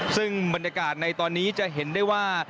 ซึ่งบรรยากาศในตอนนี้จะเห็นได้ว่า